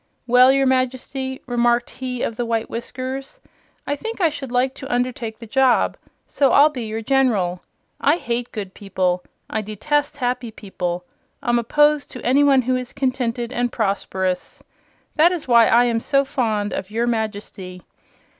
"Well, your Majesty," remarked he of the white whiskers, "I think I should like to undertake the job, so I'll be your General. I hate good people; I detest happy people; I'm opposed to any one who is contented and prosperous. That is why I am so fond of your Majesty.